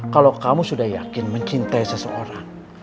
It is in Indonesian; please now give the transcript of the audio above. kalau kamu sudah yakin mencintai seseorang